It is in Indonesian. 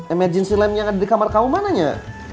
emergensi lem yang ada di kamar kamu mananya